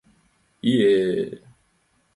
Ие!